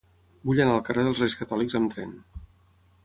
Vull anar al carrer dels Reis Catòlics amb tren.